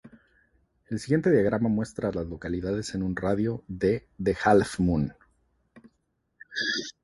El siguiente diagrama muestra a las localidades en un radio de de Half Moon.